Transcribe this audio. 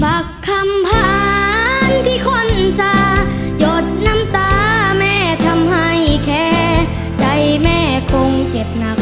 ฝากคำผ่านที่คนจะหยดน้ำตาแม่ทำให้แค่ใจแม่คงเจ็บหนัก